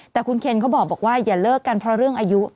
แต่คุณเคนเขาบอกว่าอย่าเลิกกันเพราะเรื่องอายุ